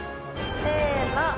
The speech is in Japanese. せの！